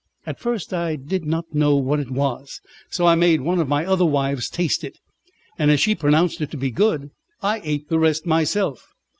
At first I did not know what it was, so I made one of my other wives taste it, and as she pronounced it to be good, I ate the rest myself.